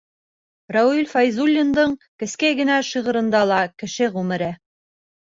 Рауил Фәйзуллиндың кескәй генә шиғырында ла — кеше ғүмере.